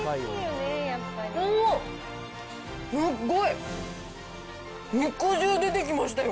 うお、すっごい、肉汁出てきましたよ。